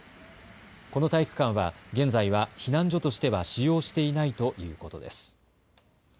この体育館は現在は避難所としては使用していないということです。